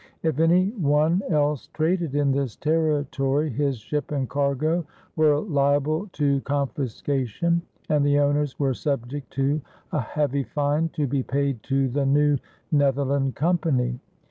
If any one else traded in this territory, his ship and cargo were liable to confiscation and the owners were subject to a heavy fine to be paid to the New Netherland Company.